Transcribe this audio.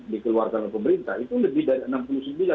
dikeluarkan oleh pemerintah itu lebih dari